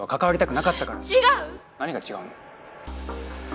何が違うの？